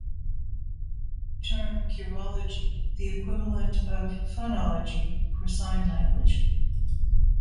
He coined the term cherology, the equivalent of phonology for sign language.